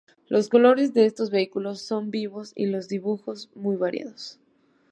Los colores de estos vehículos son vivos y los dibujos muy variados.